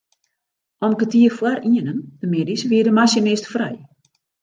Om kertier foar ienen de middeis wie de masinist frij.